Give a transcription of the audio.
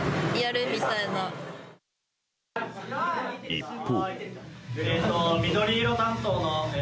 一方。